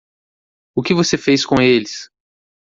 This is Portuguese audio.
O que você fez com eles?